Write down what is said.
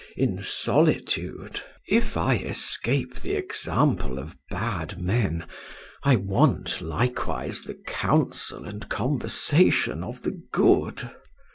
In solitude, if I escape the example of bad men, I want likewise the counsel and conversation of the good.